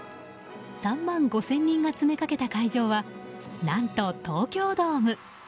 ３万５０００人が詰めかけた会場は何と東京ドーム。